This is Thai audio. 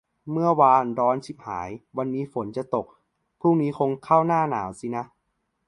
เมื่อวานร้อนชิบหาย วันนี้ฝนจะตก พรุ้งนี้คงเข้าหน้าหนาวสินะ